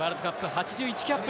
８１キャップ。